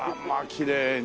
きれいに。